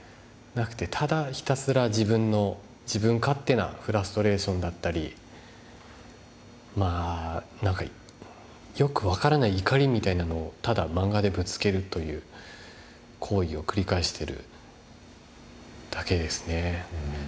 なくてただひたすら自分の自分勝手なフラストレーションだったりまぁなんかよく分からない怒りみたいなのをただ漫画でぶつけるという行為を繰り返してるだけですね。